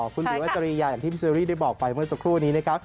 คุณรู้ว่าตรีใหญ่ที่พี่ชุริย์ได้บอกไปเมื่อสักครู่นี้นะครับ